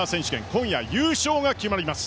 今夜、優勝が決まります。